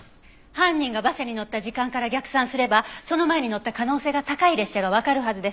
犯人が馬車に乗った時間から逆算すればその前に乗った可能性が高い列車がわかるはずです。